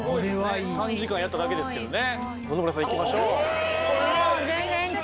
短時間やっただけですけどね。